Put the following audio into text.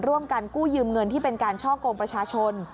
ร่วมกันกู้ยืมเงินที่เป็นการช่อกงประชาชน